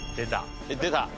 出た。